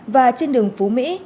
và trên đường phú mỹ